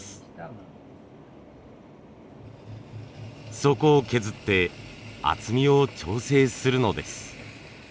底を削って厚みを調整するのです。